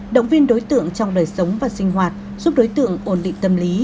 động viên đối tượng trong đời sống và sinh hoạt giúp đối tượng ổn định tâm lý